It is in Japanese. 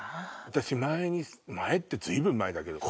私前に前って随分前だけど。